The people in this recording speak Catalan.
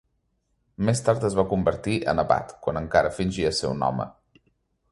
Més tard es va convertir en abat, quan encara fingia ser un home.